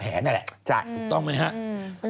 เก่งจริงจริงเค้า